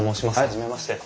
初めまして。